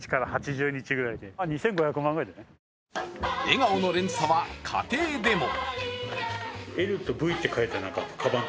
笑顔の連鎖は家庭でも。